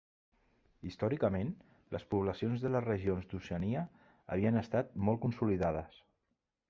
Històricament, les poblacions de les regions d'Oceania havien estat molt consolidades.